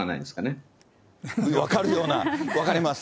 分かるような、分かります。